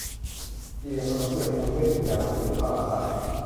สี่เหลี่ยมขนมเปียกปูน เรียกอีกอย่างว่าสี่เหลี่ยมข้าวหลามตัด